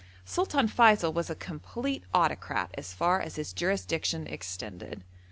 Sultan Feysul was a complete autocrat as far as his jurisdiction extended.